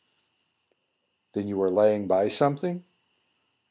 "Then you are laying by something?"